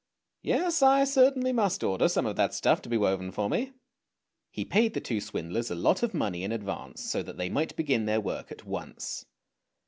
Yes, I certainly must order some of that stuff to be woven for me." He paid the two swindlers a lot of money in advance, so that they might begin their work at once.